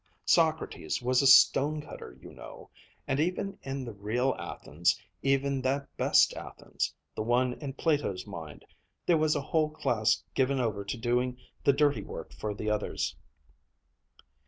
Socrates was a stone cutter, you know. And even in the real Athens, even that best Athens, the one in Plato's mind there was a whole class given over to doing the dirty work for the others.